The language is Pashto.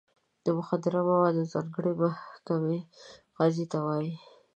د مخدره موادو د ځانګړې محکمې قاضي ته وایي.